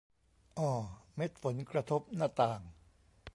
อ่อ เม็ดฝนกระทบหน้าต่าง